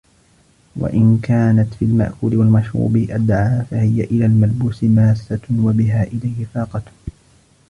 وَإِنْ كَانَتْ فِي الْمَأْكُولِ وَالْمَشْرُوبِ أَدْعَى فَهِيَ إلَى الْمَلْبُوسِ مَاسَّةٌ وَبِهَا إلَيْهِ فَاقَةٌ